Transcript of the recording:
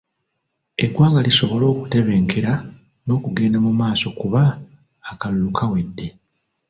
Eggwanga lisobole okutebenkera n'okugenda mu maaso kuba akalulu kawedde.